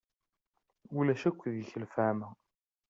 Ulac akk deg-k lefhama.